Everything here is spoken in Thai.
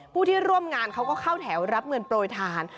ผู้ที่ร่วมงานเขาก็เข้าแถวรับเงินโปรยทาน